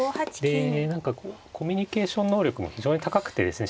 で何かコミュニケーション能力も非常に高くてですね